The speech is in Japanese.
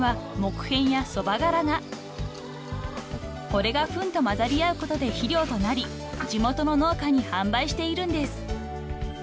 ［これがふんと混ざり合うことで肥料となり地元の農家に販売しているんです］